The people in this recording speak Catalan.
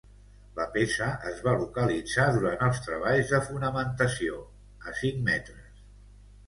La peça es va localitzar durant els treballs de fonamentació, a cinc metres.